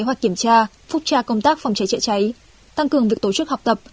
kế hoạch kiểm tra phúc tra công tác phòng cháy chữa cháy tăng cường việc tổ chức học tập